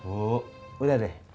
oh udah deh